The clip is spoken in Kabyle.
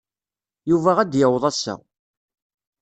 Yuba ad d-yaweḍ ass-a.